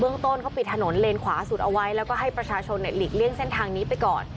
ต้นเขาปิดถนนเลนขวาสุดเอาไว้แล้วก็ให้ประชาชนหลีกเลี่ยงเส้นทางนี้ไปก่อน